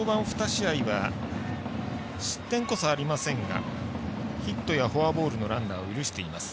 ２試合は失点こそありませんがヒットやフォアボールのランナーを許しています。